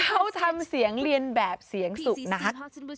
เขาทำเสียงเรียนแบบเสียงสุขนะคะ